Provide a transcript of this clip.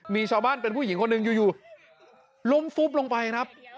มีชาวบ้านเป็นผู้หญิงคนหนึ่งอยู่ล้มฟุบลงไปครับ